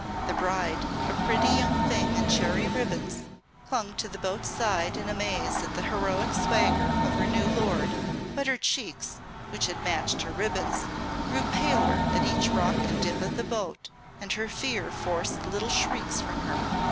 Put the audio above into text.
The bride, a pretty thing in cherry ribbands, clung to the boat's side in amaze at the heroic swagger of her new lord, but her cheeks, which had matched her ribbands, grew paler at each rock and dip of the boat, and her fear forced little shrieks from her.